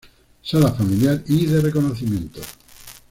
Sala familiar y de reconocimientos.